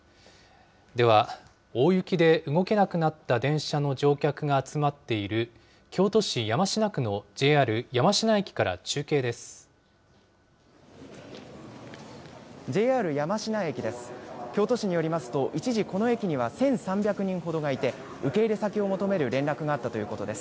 では、大雪で動けなくなった電車の乗客が集まっている、京都市山科区のＪＲ山科駅から中継です。